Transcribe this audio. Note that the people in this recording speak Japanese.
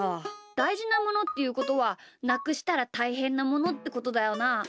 だいじなものっていうことはなくしたらたいへんなものってことだよな。